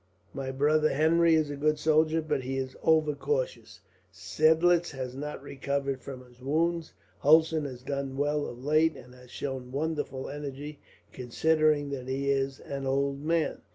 My brother Henry is a good soldier, but he is over cautious. Seidlitz has not recovered from his wounds. Hulsen has done well of late, and has shown wonderful energy, considering that he is an old man.